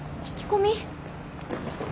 聞き込み？